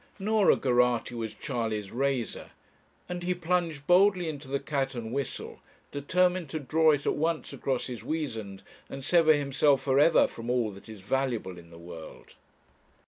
Norah Geraghty was Charley's razor, and he plunged boldly into the 'Cat and Whistle,' determined to draw it at once across his weasand, and sever himself for ever from all that is valuable in the world.